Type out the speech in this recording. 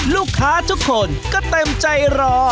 ลูกค้าทุกคนก็เต็มใจรอ